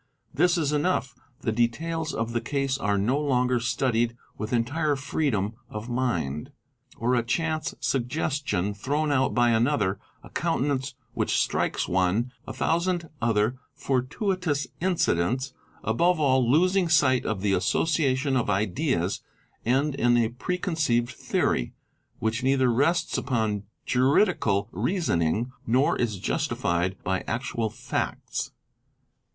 This is enough: the details of the case are no longer studied with entire freedom of mind. Or a chance suggestion thrown out by another, a countenance which strikes one, a thousand other fortuitous incidents, above all losing sight of the association of ideas, end in a preconceived theory, which neither rests upon juridical reasoning nor is justified by actual facts.